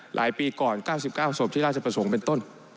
หลายปีก่อน๙๙ศพที่ราชประสงค์เป็นต้น